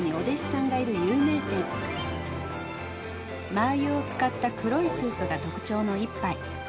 マー油を使った黒いスープが特徴の一杯。